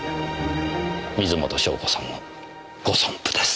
水元湘子さんのご尊父です。